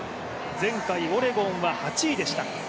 前回、オレゴンは８位でした。